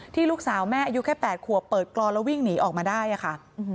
ลูกสาวแม่อายุแค่๘ขวบเปิดกรอนแล้ววิ่งหนีออกมาได้ค่ะ